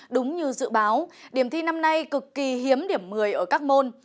đúng như dự báo điểm thi năm nay cực kỳ hiếm điểm một mươi ở các môn